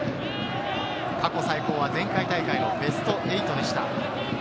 過去最高は前回大会のベスト８でした。